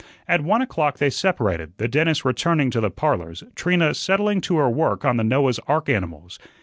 At one o'clock they separated, the dentist returning to the "Parlors," Trina settling to her work on the Noah's ark animals.